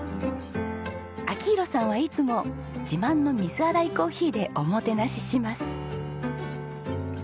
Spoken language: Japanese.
明宏さんはいつも自慢の水洗いコーヒーでおもてなしします。